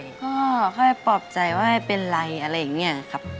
ก็ค่อยปลอบใจว่าไม่เป็นไรอะไรอย่างนี้ครับ